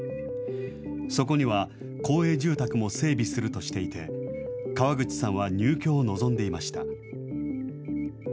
そこには公営住宅も整備するとしていて、川口さんは入居を望んでいました。